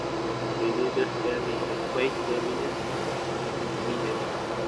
William Dewsbury the Quaker minister was born in the village.